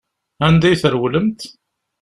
Anda i trewlemt?